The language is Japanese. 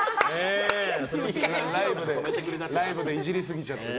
ライブでイジりすぎちゃってね。